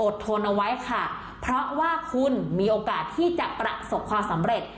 ทนเอาไว้ค่ะเพราะว่าคุณมีโอกาสที่จะประสบความสำเร็จ